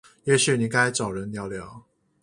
也許你該找人聊聊